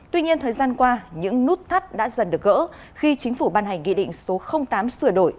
tuy nhiên thời gian qua những nút thắt đã dần được gỡ khi chính phủ ban hành nghị định số tám sửa đổi